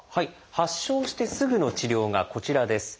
発症してすぐの治療がこちらです。